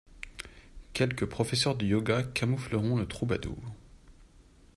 Quelques professeurs de yoga camoufleront le troubadour.